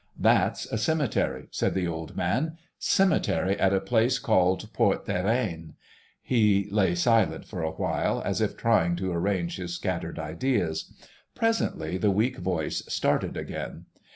"That's a cemetery," said the old man; "cemetery at a place called Port des Reines." He lay silent for a while, as if trying to arrange his scattered ideas; presently the weak voice started again.